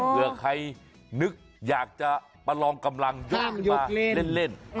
เผื่อใครนึกอยากจะประลองกำลังยกขึ้นมาเล่น